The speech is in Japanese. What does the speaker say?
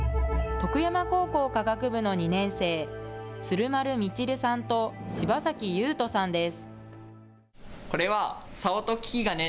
徳山高校科学部の２年生、鶴丸倫琉さんと、柴崎湧人さんです。